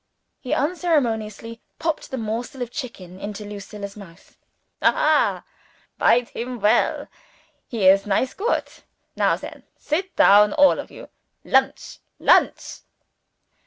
He unceremoniously popped the morsel of chicken into Lucilla's mouth. "Aha! Bite him well. He is nice goot! Now then! Sit down all of you. Lonch! lonch!"